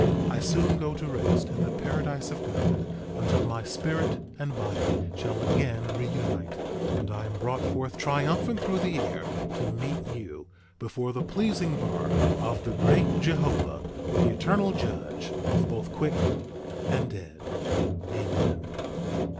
I soon go to rest in the paradise of God, until my spirit and body shall again reunite, and I am brought forth triumphant through the air, to meet you before the pleasing bar of the great Jehovah, the Eternal Judge of both quick and dead. Amen.